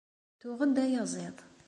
Tuɣ-d ayaziḍ.